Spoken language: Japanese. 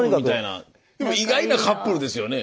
でも意外なカップルですよね。